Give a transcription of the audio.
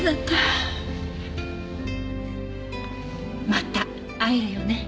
また会えるよね？